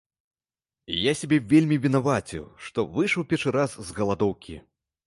Я сябе вельмі вінаваціў, што выйшаў першы раз з галадоўкі.